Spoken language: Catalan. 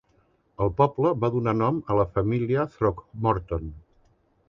El poble va donar nom a la família Throckmorton.